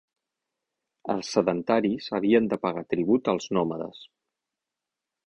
Els sedentaris havien de pagar tribut als nòmades.